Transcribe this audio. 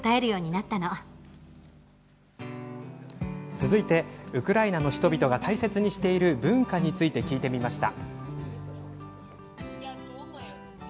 続いて、ウクライナの人々が大切にしている文化について聞いてみました。